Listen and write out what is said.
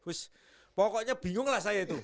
gus pokoknya bingung lah saya itu